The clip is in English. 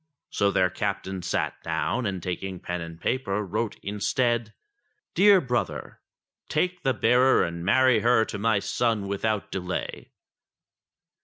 So their captain sat down, and taking pen and paper wrote instead : "Dear Brother, Take the bearer and marry her to my son without delay."